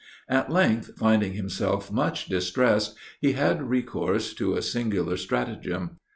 At length, finding himself much distressed, he had recourse to a singular stratagem.